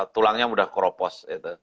tulangnya mudah koropos gitu